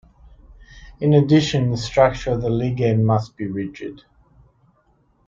In addition, the structure of the ligand must be rigid.